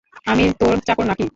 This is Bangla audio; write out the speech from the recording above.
আমি তোর চাকর না-কি?